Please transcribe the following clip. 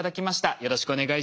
よろしくお願いします。